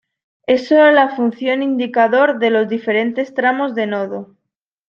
Es sólo la función indicador de los diferentes tramos de nodo.